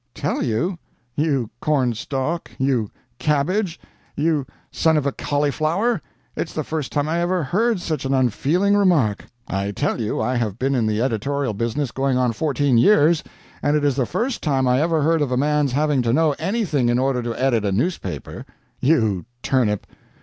"Tell you, you corn stalk, you cabbage, you son of a cauliflower? It's the first time I ever heard such an unfeeling remark. I tell you I have been in the editorial business going on fourteen years, and it is the first time I ever heard of a man's having to know anything in order to edit a newspaper. You turnip!